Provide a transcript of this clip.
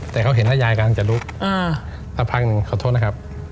แต่เขาเห็นแล้วยายกำลังจะลุกสักพักหนึ่งขอโทษนะครับ